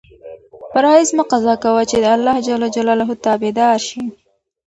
فرایض مه قضا کوه چې د اللهﷻ تابع دار شې.